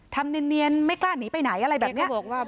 ทำเนียนไม่กล้าหนีไปไหนอะไรแบบนี้